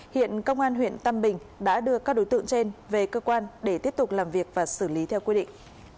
hiện công an huyện tam bình đã đưa các đối tượng trên về cơ quan để tiếp tục làm việc và xử lý theo quy định